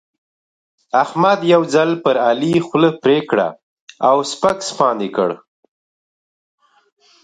احمد یو ځل پر علي خوله پرې کړه او سپک سپاند يې کړ.